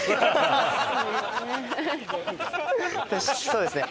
そうですね。